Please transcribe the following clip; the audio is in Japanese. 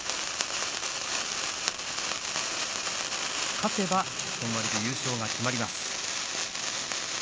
勝てば本割で優勝が決まります。